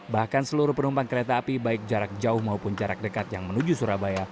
bahkan seluruh penumpang kereta api baik jarak jauh maupun jarak dekat yang menuju surabaya